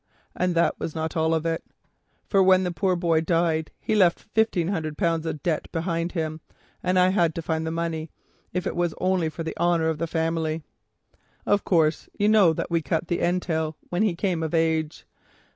And that was not all of it, for when the poor boy died he left fifteen hundred pounds of debt behind him, and I had to find the money, if it was only for the honour of the family. Of course you know that we cut the entail when he came of age.